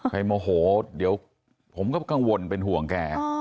โมโหเดี๋ยวผมก็กังวลเป็นห่วงแก